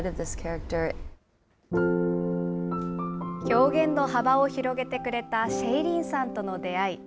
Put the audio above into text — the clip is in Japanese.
表現の幅を広げてくれたシェイリーンさんとの出会い。